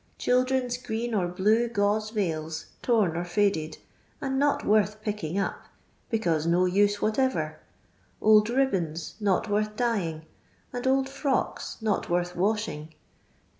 Children's green or blue gause veils, torn or faded, and not worth picking up, because no use whatever ; old ribbona, not worth dyeing, and old frocks, not worth washing.